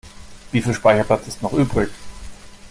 Wie viel Speicherplatz ist noch übrig?